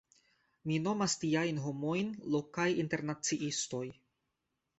Mi nomas tiajn homojn “lokaj internaciistoj”.